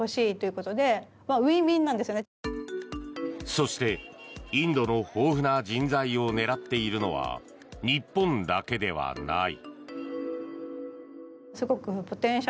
そして、インドの豊富な人材を狙っているのは日本だけではない。